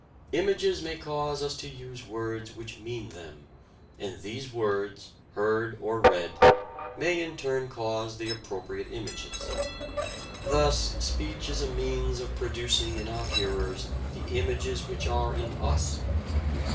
Images may cause us to use words which mean them, and these words, heard or read, may in turn cause the appropriate images. Thus speech is a means of producing in our hearers the images which are in us.